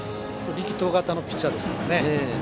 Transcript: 力投型のピッチャーですね。